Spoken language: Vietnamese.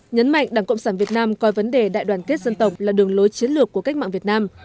nhấn mạnh đảng cộng sản việt nam coi vấn đề đại đoàn kết dân tộc là đường lối chiến lược của cách mạng việt nam